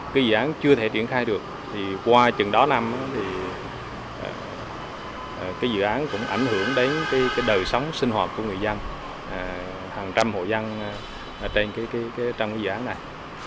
cái dự án chưa thể triển khai được thì qua chừng đó năm thì cái dự án cũng ảnh hưởng đến cái đời sống sinh hoạt của người dân hàng trăm hộ dân trong cái dự án này